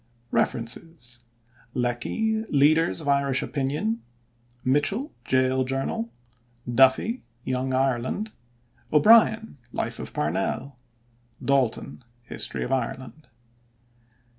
REFERENCES: Lecky: Leaders of Irish Opinion; Mitchel: Jail Journal; Duffy: Young Ireland; O'Brien: Life of Parnell; D'Alton: History of Ireland.